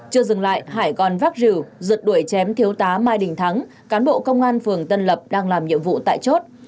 chưa dừng lại hải còn vác rìu rượt đuổi chém thiếu tá mai đình thắng cán bộ công an phường tân lập đang làm nhiệm vụ tại chốt